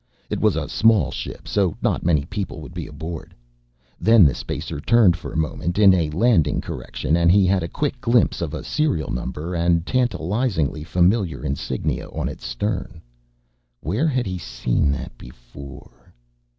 It was a small ship so not many people would be aboard. Then the spacer turned for a moment, in a landing correction, and he had a quick glimpse of a serial number and tantalizingly familiar insignia on its stern where had he seen that before?